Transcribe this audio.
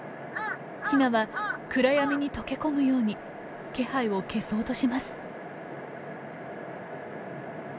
ヒナは暗闇に溶け込むように気配を消そうとします。